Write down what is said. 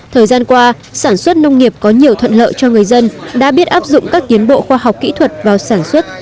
thời gian qua sản xuất nông nghiệp có nhiều thuận lợi cho người dân đã biết áp dụng các tiến bộ khoa học kỹ thuật vào sản xuất